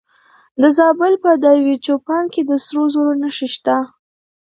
د زابل په دایچوپان کې د سرو زرو نښې شته.